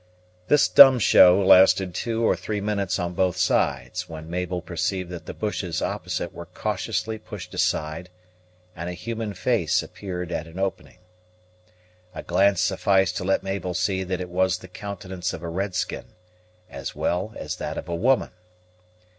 This dumb show lasted two or three minutes on both sides, when Mabel perceived that the bushes opposite were cautiously pushed aside, and a human face appeared at an opening. A glance sufficed to let Mabel see that it was the countenance of a red skin, as well as that of a woman.